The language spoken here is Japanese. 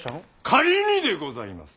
仮にでございます！